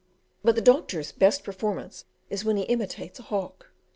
But the "Doctor's" best performance is when he imitates a hawk.